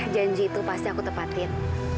janji itu pasti aku tepatin